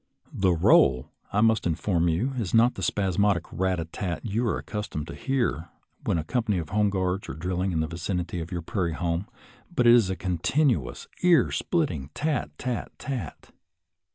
The roll, I must inform you, is not the spasmodic rat a tat you are accustomed to hear when a company of home guards are drill ing in the vicinity of your prairie home, but is a continuous, ear splitting tat tat^at.